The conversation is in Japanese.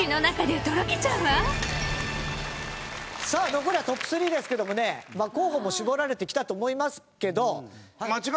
さあ残るはトップ３ですけどもね候補も絞られてきたと思いますけど。